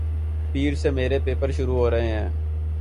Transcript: پیر سے میرے پیپر شروع ہورہے ھیںـ